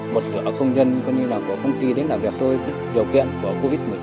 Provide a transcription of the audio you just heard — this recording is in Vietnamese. một lửa công nhân của công ty đến làm việc tôi điều kiện của covid một mươi chín